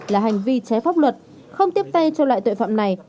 là hành vi trái pháp luật không tiếp tay cho loại tội phạm này